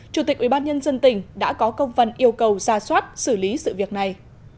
chủ tịch ủy ban nhân dân tỉnh đã có công văn yêu cầu ra soát xử lý sự việc này